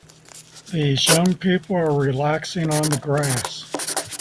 These young people are relaxing on the grass.